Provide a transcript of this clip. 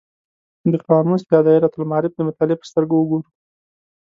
د قاموس یا دایرة المعارف د مطالعې په سترګه وګورو.